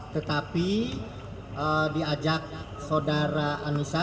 tetapi diajak saudara anissa